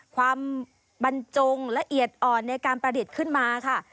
ความบรรจงละเอียดอ่อนในการประดิษฐ์ขึ้นมาค่ะ